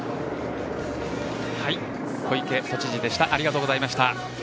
小池都知事でしたありがとうございました。